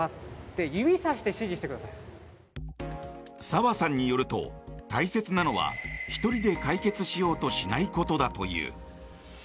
澤さんによると大切なのは１人で解決しようとしないことだという。